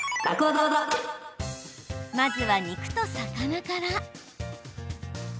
まずは肉と魚から。